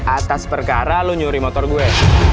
atas perkara lo nyuri motor gue